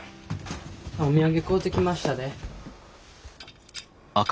お土産買うてきましたで。